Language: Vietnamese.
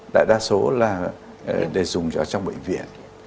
đại đa số là để dùng cho trong bệnh viện